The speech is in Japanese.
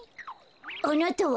あなたは？